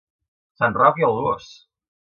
Sant Roc i el gos!